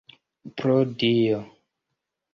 Pro Dio!